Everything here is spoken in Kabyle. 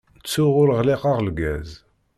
Ttuɣ ur ɣliqeɣ lgaz!